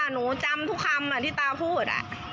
หนูจำทุกคำที่ตาพูด